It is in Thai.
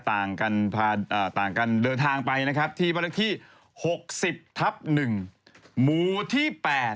ต่างกันเดินทางไปนะครับที่บ้านเลขที่๖๐ทับ๑หมู่ที่๘